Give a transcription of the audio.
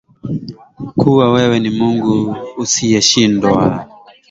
Kuwa wewe ni Mungu usiyeshindwa